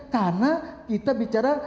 karena kita bicara